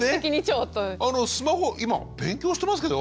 「あのスマホ今勉強してますけど？」